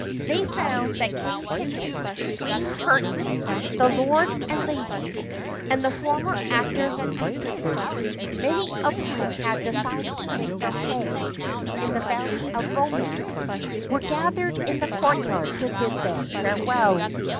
They found that King Ticket, Queen Curtain, the Lords and Ladies, and the former actors and actresses, many of whom had decided to make their homes in the Valley of Romance, were gathered in the courtyard to bid them farewell.